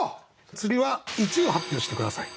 次は１位を発表して下さい。